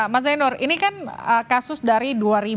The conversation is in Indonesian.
mas zainur ini kan kasus dari dua ribu dua